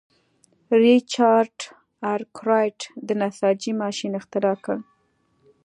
ریچارډ ارکرایټ د نساجۍ ماشین اختراع کړ.